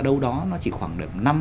đâu đó nó chỉ khoảng năm một mươi năm